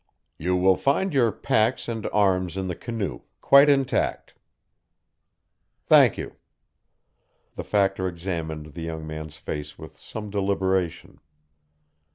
"You will find your packs and arms in the canoe, quite intact." "Thank you." The Factor examined the young man's face with some deliberation.